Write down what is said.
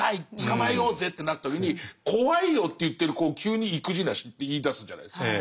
「捕まえようぜ」ってなった時に「怖いよ」って言ってる子を急に「意気地なし」って言いだすじゃないですか。